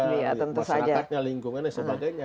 masyarakatnya lingkungannya sebagainya